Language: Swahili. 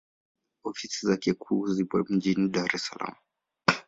Ofisi zake kuu zipo mjini Dar es Salaam.